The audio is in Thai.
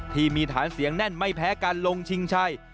ที่มีฐานเสียงแน่นไม่แพ้การลงชิงชัย